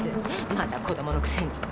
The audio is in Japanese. まだ子供のくせに。